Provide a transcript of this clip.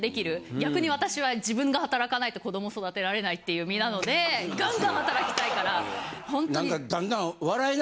逆に私は自分が働かないと子ども育てられないっていう身なのでガンガン働きたいからほんとに。